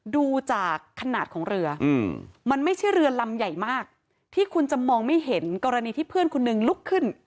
ดูจากขนาดของเรือมันไม่ใช่เรือลำใหญ่มากที่คุณจะมองไม่เห็นกรณีที่เพื่อนคนหนึ่งลุกขึ้น